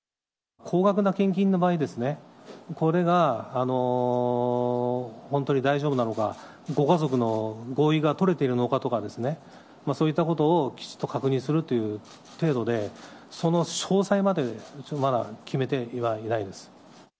高額な献金の場合ですね、これが本当に大丈夫なのか、ご家族の合意が取れているのかとかですね、そういったことをきちっと確認するという程度で、その詳細まで、まだ決めてはいないです。